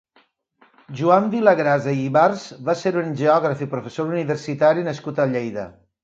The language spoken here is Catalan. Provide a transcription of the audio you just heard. Joan Vilagrasa i Ibarz va ser un geògraf i professor universitari nascut a Lleida.